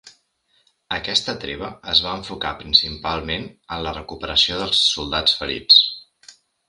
Aquesta treva es va enfocar principalment en la recuperació dels soldats ferits.